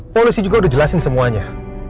polisi juga udah jelasin semuanya